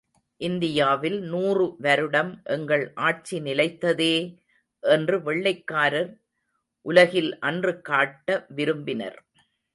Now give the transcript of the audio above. இந்தி யாவில் நூறு வருடம் எங்கள் ஆட்சி நிலைத்ததே! என்று வெள்ளைக் காரர் உலகில் அன்று காட்ட விரும்பினர்.